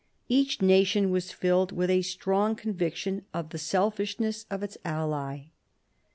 Each nation was filled with a strong conviction of the selfishness of its ally.